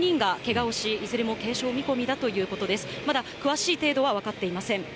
まだ詳しい程度は分かっていません。